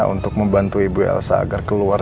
untuk membantu ibu elsa agar keluar